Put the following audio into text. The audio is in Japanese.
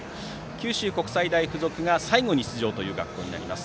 九州国際大付属が最後に出場の学校となります。